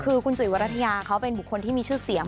คือคุณจุ๋ยวรัฐยาเขาเป็นบุคคลที่มีชื่อเสียง